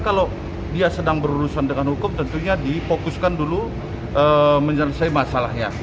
kalau dia sedang berurusan dengan hukum tentunya difokuskan dulu menyelesaikan masalahnya